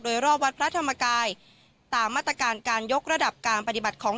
โดยรอบวัดพระธรรมกายตามมาตรการการยกระดับการปฏิบัติของ